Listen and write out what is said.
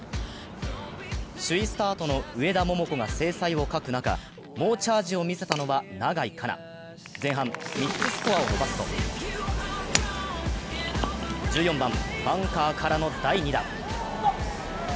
首位スタートの上田桃子が精彩を欠く中、猛チャージを見せたのは、永井花奈前半３つスコアを伸ばすと、１４番、バンカーからの第２打。